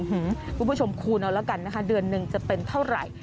คุณผู้ชมคูณเอาแล้วกันนะคะเดือนหนึ่งจะเป็นเท่าไหร่